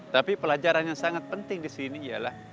tapi pelajaran yang sangat penting disini ialah